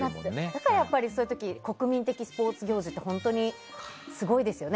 だからそういう時に国民的スポーツ行事って本当にすごいですよね。